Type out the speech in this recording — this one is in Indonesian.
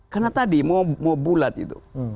karena tadi mau bulat gitu